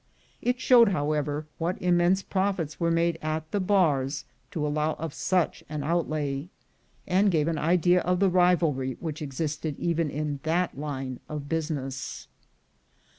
It showed, however, what immense profits were made at the bars to allow of such an outlay, and gave an idea of the rivalry which existed even in that line of business.